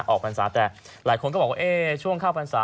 ออกฟังษาแต่หลายคนก็บอกว่าช่วงข้าวฟังษา